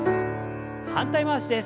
反対回しです。